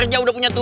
eh mbak mbak